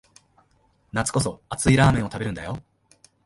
夏こそ熱いラーメンを食べるんだよ